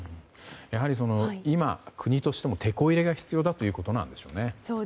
やはり今、国としてもテコ入れが必要だということなんでしょうね。